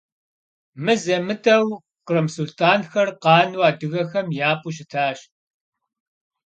Мызэ-мытӀэу кърым сулътӀанхэр къану адыгэхэм япӀу щытащ.